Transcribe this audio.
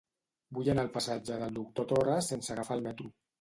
Vull anar al passatge del Doctor Torres sense agafar el metro.